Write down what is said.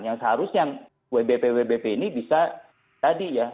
yang seharusnya wbp wbp ini bisa tadi ya